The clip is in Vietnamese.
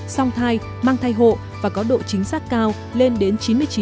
song thai mang thai hộ và có độ chính xác cao lên đến chín mươi chín chín mươi tám